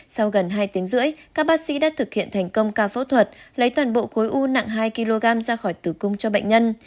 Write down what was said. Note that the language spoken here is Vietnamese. sau gần hai tiếng rưỡi các bác sĩ đã thực hiện thành công ca phẫu thuật lấy toàn bộ khối u nặng hai kg ra khỏi tử cung cho bệnh nhân